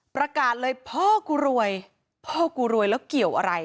ประกาศเลยพ่อกูรวยพ่อกูรวยแล้วเกี่ยวอะไร